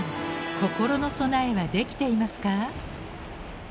心の備えはできていますか？